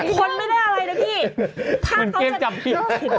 โอเคโอเคโอเค